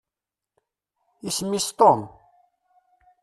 Isem-is Tom.